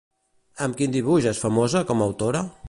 Amb quin dibuix és famosa com a autora?